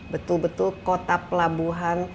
betul betul kota pelabuhan